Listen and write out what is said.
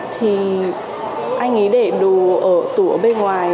thì anh ấy để đồ ở tủ ở bên ngoài